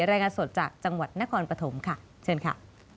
รายงานสดจากจังหวัดนครปฐมชื่อค่ะ